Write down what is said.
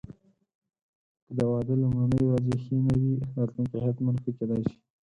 که د واده لومړني ورځې ښې نه وې، راتلونکی حتماً ښه کېدای شي.